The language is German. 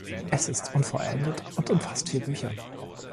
Es ist unvollendet und umfasst vier Bücher.